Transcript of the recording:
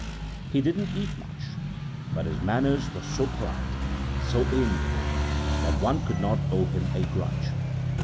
He didn't eat much; but his manners were so polite, so amiable, that one could not owe him a grudge.